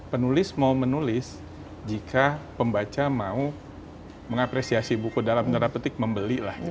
penulis mau menulis jika pembaca mau mengapresiasi buku dalam nera petik membelilah